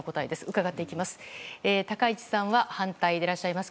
伺っていきます。